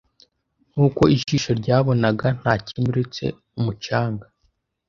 Nkuko ijisho ryabonaga, nta kindi uretse umucanga.